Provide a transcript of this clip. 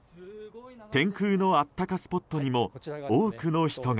天空のあったかスポットにも多くの人が。